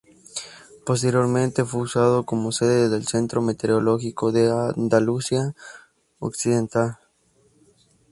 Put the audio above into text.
Posteriormente fue usado como sede del Centro Meteorológico de Andalucía Occidental.